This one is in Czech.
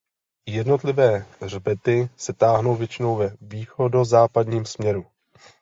Jednotlivé hřbety se táhnou většinou ve východozápadním směru.